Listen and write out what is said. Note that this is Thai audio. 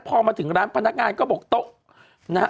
พอมาถึงร้านพนักงานก็บอกโต๊ะนะฮะ